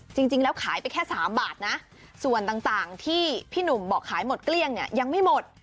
จริงแล้วขายไปแค่๓บาทนะส่วนต่างที่พี่หนุ่มบอกขายหมดเกลี้ยงเนี่ยยังไม่หมด